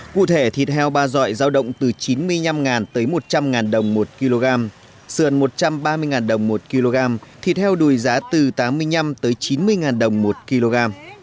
cụ thể thịt heo ba dọi giao động từ chín mươi năm tới một trăm linh đồng một kg sườn một trăm ba mươi đồng một kg thịt heo đùi giá từ tám mươi năm tới chín mươi đồng một kg